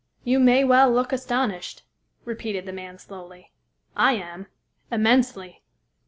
You may well look astonished," repeated the man slowly; "I am immensely."